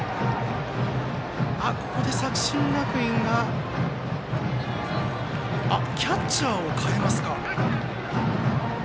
ここで作新学院はキャッチャーを代えますか。